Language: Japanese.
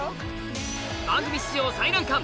番組史上最難関！